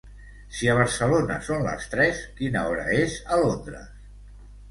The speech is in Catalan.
Si a Barcelona són les tres, quina hora és a Londres?